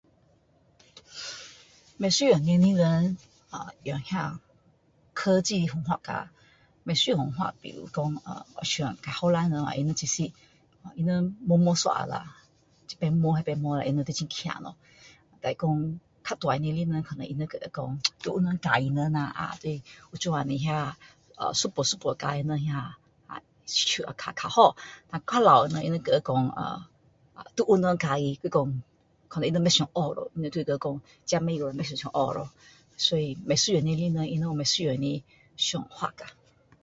不一样的人，用那科技很发达，不一样话题讲，好像较年轻的人其实他们摸摸一下啦，这边摸那边摸他们就很强了，再讲较大的人，他们跟他讲要有人教他们啦，用这样的那一步一步教他们【na】，好像会较好，较老的人，你们跟他讲要有人教他，要讲可能他们不想学了，他们就是跟他们讲自己不会他们就不想学了，所以不一样的人他们有不一样的想法